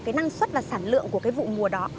cái năng suất và sản lượng của cái vụ mùa đó